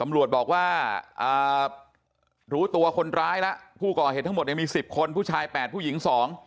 ตำรวจบอกว่ารู้ตัวคนร้ายแล้วผู้ก่อเหตุทั้งหมดมี๑๐คนผู้ชาย๘ผู้หญิง๒